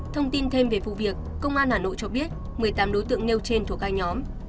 thông tin thêm về vụ việc công an hà nội cho biết một mươi tám đối tượng nêu trên thuộc hai nhóm